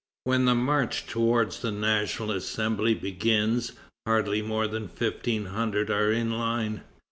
When the march toward the National Assembly begins, hardly more than fifteen hundred are in line.